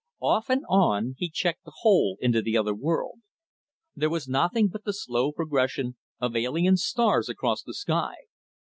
Off and on, he checked the hole into the other world. There was nothing but the slow progression of alien stars across the sky.